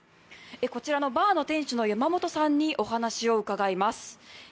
こちらのバーの店主の山本さんにお話を伺います。